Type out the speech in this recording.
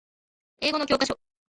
英語の教科書